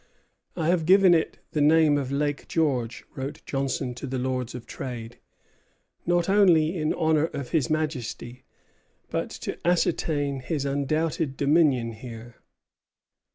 "I have given it the name of Lake George," wrote Johnson to the Lords of Trade, "not only in honor of His Majesty, but to ascertain his undoubted dominion here."